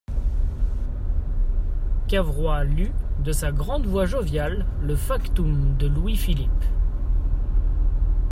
Cavrois lut, de sa grande voix joviale, le factum de Louis-Philippe.